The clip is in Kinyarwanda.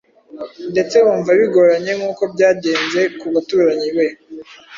ndetse wumva bigoranye. Nkuko byagenze ku baturanyi be